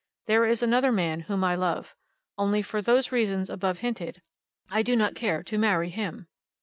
There is another man whom I love; only, for those reasons above hinted, I do not care to marry him."